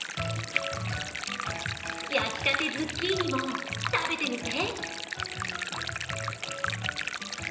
焼きたてズッキーニも食べてみて！